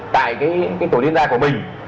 tại cái tổ liên gia của mình